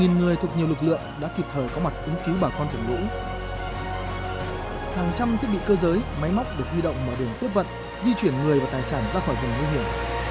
hàng trăm thiết bị cơ giới máy móc được huy động mở đường tiếp vận di chuyển người và tài sản ra khỏi vùng nguy hiểm